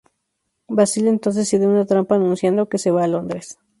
Basil entonces idea una trampa anunciando que se va a Londres.